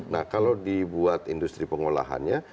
nah kalau dibuat industri pengolahannya